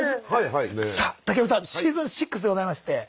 さあ竹山さんシーズン６でございまして。